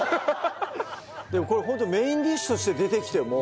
でもこれホントメインディッシュとして出てきても。